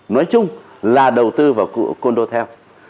nói chung là đầu tư vào cô đô theo